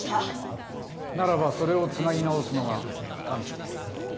ならばそれをつなぎ直すのが艦長君の役目です。